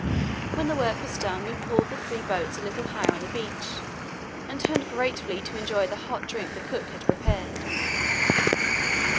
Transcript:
When the work was done we pulled the three boats a little higher on the beach and turned gratefully to enjoy the hot drink the cook had prepared.